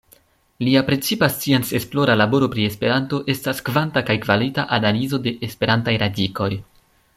Lia precipa scienc-esplora laboro pri Esperanto estas kvanta kaj kvalita analizo de Esperantaj radikoj.